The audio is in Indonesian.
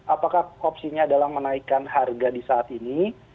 apakah opsinya adalah menaikkan harga di saat ini